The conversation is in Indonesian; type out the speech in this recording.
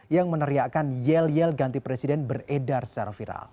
yang meneriakan yel yel ganti presiden beredar secara viral